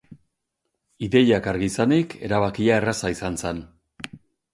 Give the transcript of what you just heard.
Ideiak argi izanik, erabakia erraza izan zen.